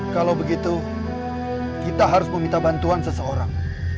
kalau begitu kita harus meminta bantuan seseorang